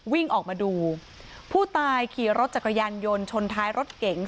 วิ่งออกมาดูผู้ตายขี่รถจักรยานยนต์ชนท้ายรถเก๋ง